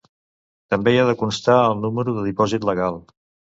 També hi ha de constar el número de dipòsit legal.